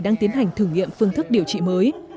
đang tiến hành thử nghiệm phương thức điều trị mới